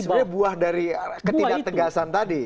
sebenarnya buah dari ketidak tegasan tadi